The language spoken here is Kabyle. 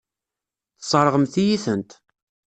Tesseṛɣemt-iyi-tent.